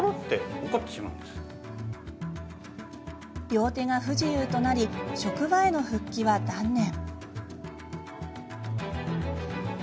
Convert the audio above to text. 両手が不自由となり職場への復帰は断念。